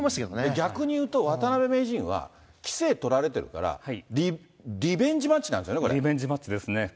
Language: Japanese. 逆に言うと、渡辺名人は棋聖取られてるから、リベンジマッチなんですよね、こリベンジマッチですね。